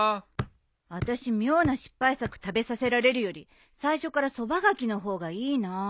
私妙な失敗作食べさせられるより最初からそばがきの方がいいな。